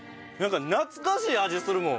懐かしい味するもん